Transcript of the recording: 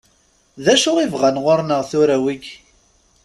D acu i bɣan ɣur-neɣ tura wigi?